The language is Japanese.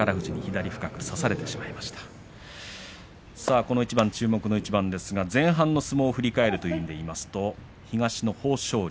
この一番、注目の一番前半の相撲を振り返るという意味でいいますと東の豊昇龍